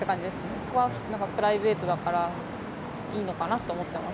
そこはプライベートだから、いいのかなと思ってます。